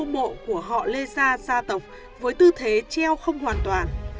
khu một của họ lê gia gia tộc với tư thế treo không hoàn toàn